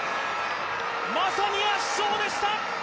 まさに圧勝でした。